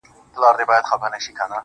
• يو ليك.